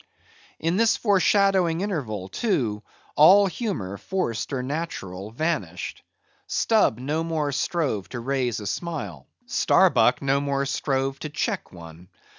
In this foreshadowing interval too, all humor, forced or natural, vanished. Stubb no more strove to raise a smile; Starbuck no more strove to check one.